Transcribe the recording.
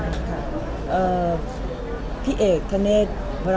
การเลือกเพลงนี้ใช่ไหมคะ